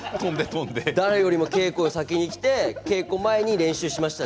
誰よりも結構、先に来て稽古前に練習しました。